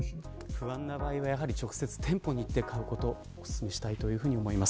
不安な場合は直接店舗に行って買うことをおすすめしたいと思います。